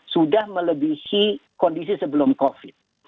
sudah melebihi kondisi sebelum covid